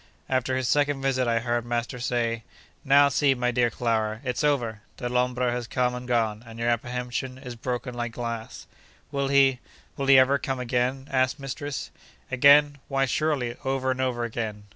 After his second visit I heard master say: 'Now, see, my dear Clara, it's over! Dellombra has come and gone, and your apprehension is broken like glass.' 'Will he—will he ever come again?' asked mistress. 'Again? Why, surely, over and over again!